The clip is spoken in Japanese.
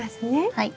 はい。